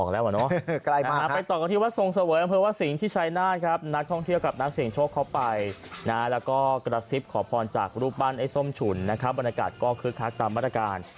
แล้วก็กระซิบขอพรจากรูปปั้นไอ้ส้มฉุนนะครับบรรยากาศก็คึกคักตามมาตรการ